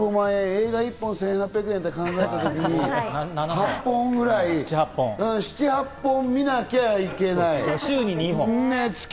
映画１本１８００円と考えたときに８本ぐらい、７８本見なきゃいけない。